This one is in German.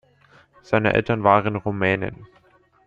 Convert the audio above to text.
Seine Eltern waren Rumänen.